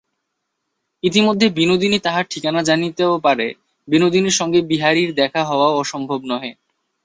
ইতিমধ্যে বিনোদিনী তাহার ঠিকানা জানিতেও পারে, বিনোদিনীর সঙ্গে বিহারীর দেখা হওয়াও অসম্ভব নহে।